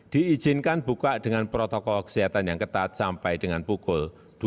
diizinkan buka dengan protokol kesehatan yang ketat sampai dengan pukul dua puluh